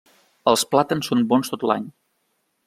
Els plàtans són bons tot l'any.